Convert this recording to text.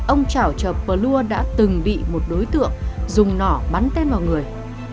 ông trảo trợp pờ lua đã từng bị một đối tượng dùng nỏ bắn tên vào người